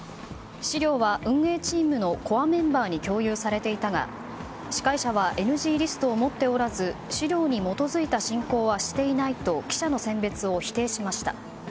資料は、運営チームのコアメンバーに共有されていたが司会者はＮＧリストを持っておらず資料に基づいた進行はしていないと記者の選別を否定しました。